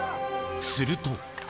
すると。